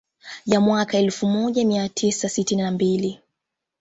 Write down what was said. Ya mwaka elfu moja mia tisa sitini na mbili